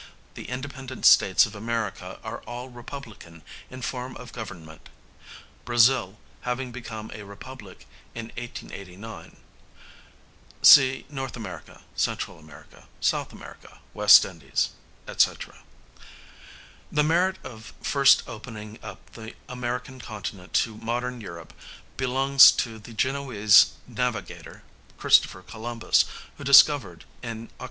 The independent States of America are all republican in form of government, Brazil having become a republic in 1889. See North America, Central America, South America, West Indies, &c. The merit of first opening up the American continent to modern Europe belongs to the Genoese navigator Christopher Columbus, who discovered, in Oct.